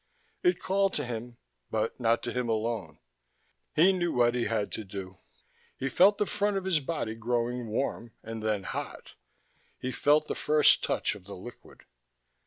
It called to him, but not to him alone. He knew what he had to do. He felt the front of his body growing warm and then hot. He felt the first touch of the liquid.